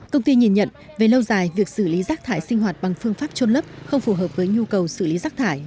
công ty nhìn nhận về lâu dài việc xử lý rác thải sinh hoạt bằng phương pháp trôn lấp không phù hợp với nhu cầu xử lý rác thải